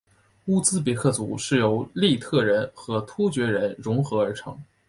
乌兹别克族是由粟特人和突厥人溶合而成。